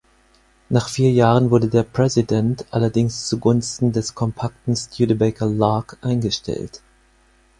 Nach vier Jahren wurde der President allerdings zu Gunsten des kompakten Studebaker Lark eingestellt.